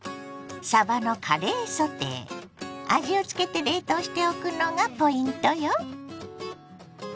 味をつけて冷凍しておくのがポイントよ。